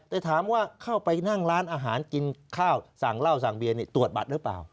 แต่ถามว่าเข้าไปนั่งร้านอาหารกินข้าวสั่งเหล้าสั่งเบียนตรวจบัตรหรือเปล่า